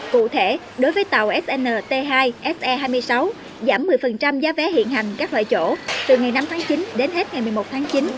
cụ thể đối với tàu snt hai se hai mươi sáu giảm một mươi giá vé hiện hành các loại chỗ từ ngày năm tháng chín đến hết ngày một mươi một tháng chín